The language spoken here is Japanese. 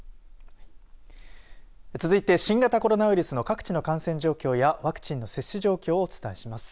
続いて新型コロナウイルスの各地の感染状況やワクチンの接種状況をお伝えします。